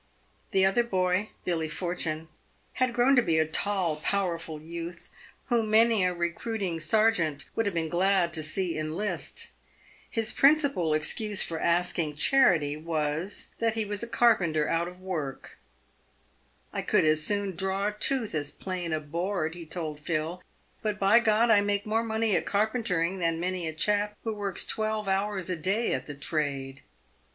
The other boy, Billy Fortune, had grown to be a tall, powerful youth, whom many a recruiting sergeant would have been glad to see enlist. His principal excuse for asking 252 PAVED WITH GOLD. charity was, that he was a carpenter out of work. " I could as soon draw a tooth as plane a board," he told Phil, " but, by G — d, I make more money at carpentering than many a chap who works twelve hours a day at the trade."